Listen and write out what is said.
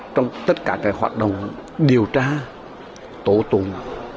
trong tất cả cái hoạt động điều tra tổ tùng